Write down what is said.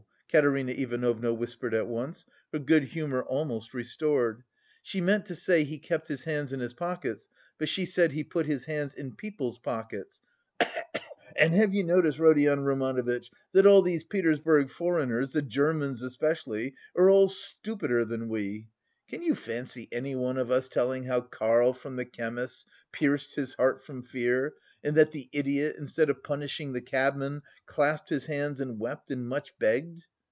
Katerina Ivanovna whispered at once, her good humour almost restored, "she meant to say he kept his hands in his pockets, but she said he put his hands in people's pockets. (Cough cough.) And have you noticed, Rodion Romanovitch, that all these Petersburg foreigners, the Germans especially, are all stupider than we! Can you fancy anyone of us telling how 'Karl from the chemist's' 'pierced his heart from fear' and that the idiot, instead of punishing the cabman, 'clasped his hands and wept, and much begged.